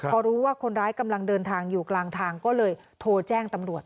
พอรู้ว่าคนร้ายกำลังเดินทางอยู่กลางทางก็เลยโทรแจ้งตำรวจ